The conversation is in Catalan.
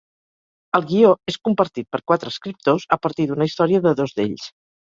El guió és compartit per quatre escriptors, a partir d’una història de dos d’ells.